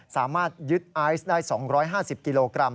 สามารถยึดไอซ์ได้๒๕๐กิโลกรัม